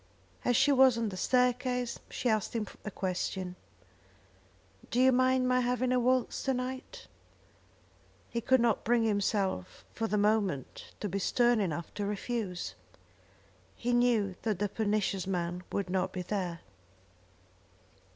As she was on the staircase she asked him a question. "Do you mind my having a waltz to night?" He could not bring himself for the moment to be stern enough to refuse. He knew that the pernicious man would not be there.